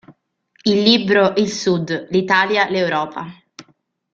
Il libro "Il Sud, l'Italia, l'Europa.